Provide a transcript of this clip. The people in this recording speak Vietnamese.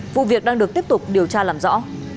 vụ việc đang được tiếp tục điều tra làm rõ